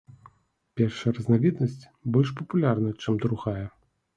Першая разнавіднасць больш папулярная, чым другая.